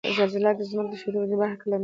زلزله د ځمک ښویدو او ډبرو حرکت لامل کیږي